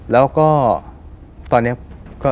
แล้วก็ตอนนี้